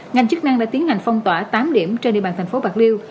ngành chức năng đã tiến hành phong tỏa tám điểm trên địa bàn thành phố bạc liêu